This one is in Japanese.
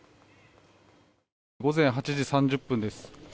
午前８時３０分です。